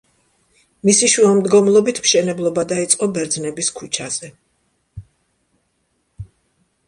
მისი შუამდგომლობით მშენებლობა დაიწყო ბერძნების ქუჩაზე.